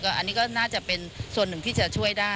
อันนี้ก็น่าจะเป็นส่วนหนึ่งที่จะช่วยได้